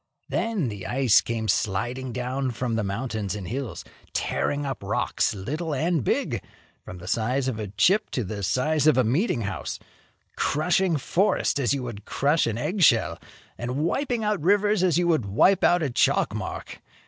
Then the ice came sliding down from the mountains and hills, tearing up rocks little and big, from the size of a chip to the size of a meeting house, crushing forests as you would crush an egg shell, and wiping out rivers as you would wipe out a chalk mark.